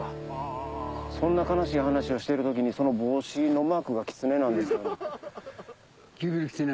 そんな悲しい話をしてる時にその帽子のマークが狐なんです。